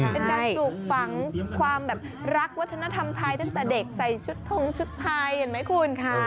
เป็นการปลูกฝังความแบบรักวัฒนธรรมไทยตั้งแต่เด็กใส่ชุดทงชุดไทยเห็นไหมคุณค่ะ